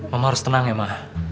mama harus tenang ya maha